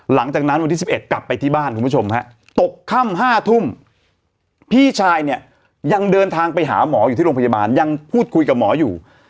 หลังจากนั้นวันที่๑๑กลับไปที่บ้านคุณผู้ชมฮะตกค่ำ๕ทุ่มพี่ชายเนี่ยยังเดินทางไปหาหมออยู่ที่โรงพยาบาลยังพูดคุยกับหมออยู่